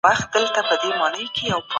ده د قلم له لارې د پښتنو لپاره مبارزه وکړه